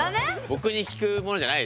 ボクに聞くものじゃないです。